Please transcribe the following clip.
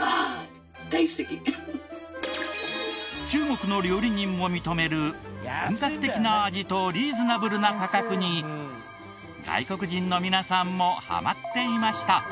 中国の料理人も認める本格的な味とリーズナブルな価格に外国人の皆さんもハマっていました。